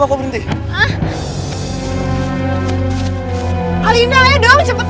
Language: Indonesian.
lastly beberapa kali ayo karen karena dia paling jaman